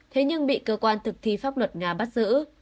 thế nhưng bị cơ quan thực thi pháp luật nga bắt giữ